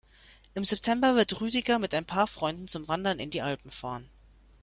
Im September wird Rüdiger mit ein paar Freunden zum Wandern in die Alpen fahren.